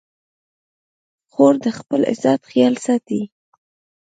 خور د خپل عزت خیال ساتي.